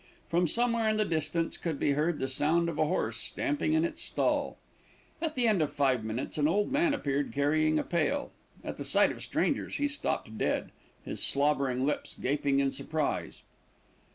From somewhere in the distance could be heard the sound of a horse stamping in its stall. At the end of five minutes an old man appeared carrying a pail. At the sight of strangers, he stopped dead, his slobbering lips gaping in surprise.